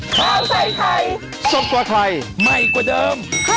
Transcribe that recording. สวัสดีค่ะ